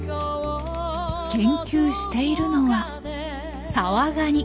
研究しているのはサワガニ。